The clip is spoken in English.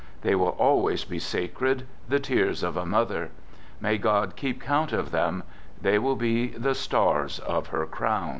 They will always be sacred, the tears of a mother. May God keep count of them ; they will be the stars of her crown.